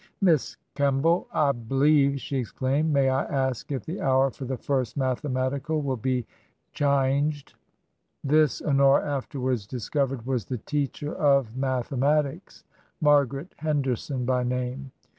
" Miss Kemball I b*lieve," she exclaimed ;may I ask if the hour for the first mathematical will be chynged ?*' This, Honora afterwards discovered, was the teacher of mathematics — Margaret Henderson by name.